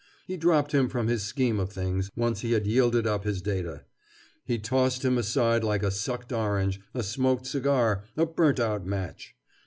He dropped him from his scheme of things, once he had yielded up his data. He tossed him aside like a sucked orange, a smoked cigar, a burnt out match.